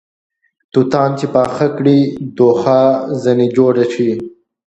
توتان چې پاخه کړې دوښا ځنې جوړه سې